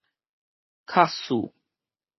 卡斯